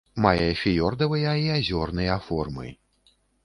Мае фіёрдавыя і азёрныя формы.